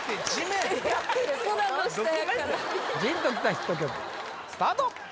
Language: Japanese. ジーンときたヒット曲スタート！